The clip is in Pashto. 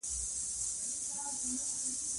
فرهنګ د ټولني د ژوندي پاتې کېدو شرط دی.